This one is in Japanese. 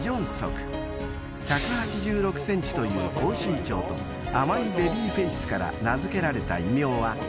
［１８６ｃｍという高身長と甘いベビーフェイスから名付けられた異名は］